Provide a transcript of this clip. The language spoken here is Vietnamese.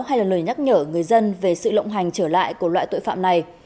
hay là lời nhắc nhở người dân về sự lộng hành trở lại của loại tội phạm này